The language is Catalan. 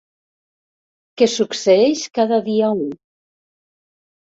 Que succeeix cada dia u.